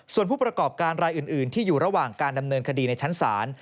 ส่วนผู้ประกอบการรายอื่นที่อยู่ระหว่างการดำเนินคดีในชั้นศาล